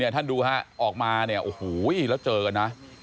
ท่านดูออกมาแล้วเจอกันนะ